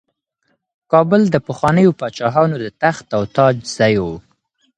کابل د پخوانیو پاچاهانو د تخت او تاج ځای و.